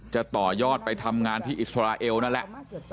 จะต่อยอดไปทำงานที่อิสราเอลนั่นแหละ